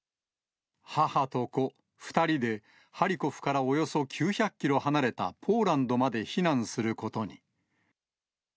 母と子、２人で、ハリコフからおよそ９００キロ離れたポーランドまで避難することに。